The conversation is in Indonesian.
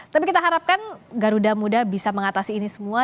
tapi kita harapkan garuda muda bisa mengatasi ini semua